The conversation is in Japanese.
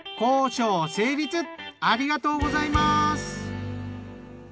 ありがとうございます。